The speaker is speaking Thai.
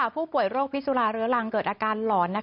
ผู้ป่วยโรคพิสุราเรื้อรังเกิดอาการหลอน